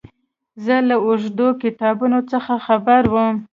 زه له اوږدو کتارونو څه خبر وم.